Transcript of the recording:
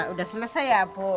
udah selesai ya bu